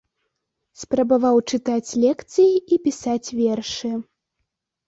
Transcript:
Спрабаваў чытаць лекцыі і пісаць вершы.